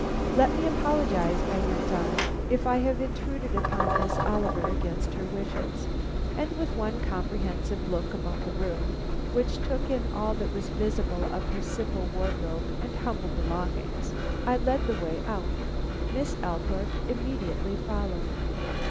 "Let me apologize," I went on, "if I have intruded upon Miss Oliver against her wishes." And with one comprehensive look about the room which took in all that was visible of her simple wardrobe and humble belongings, I led the way out. Miss Althorpe immediately followed.